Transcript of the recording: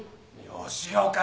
・吉岡！